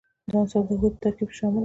دا عنصر د هغوي په ترکیب کې شامل دي.